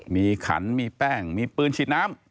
มีขันมีแป้งมีปืนฉีดน้ำ